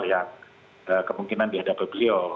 yang kemungkinan dihadapi beliau